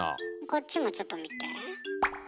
こっちもちょっと見て。